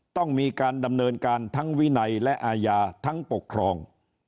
ต้องมีการดำเนินการทั้งวินัยและอาญาทั้งปกครอง